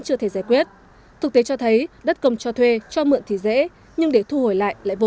chưa thể giải quyết thực tế cho thấy đất công cho thuê cho mượn thì dễ nhưng để thu hồi lại lại vô